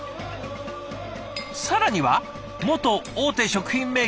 更には元大手食品メーカーの研究者も。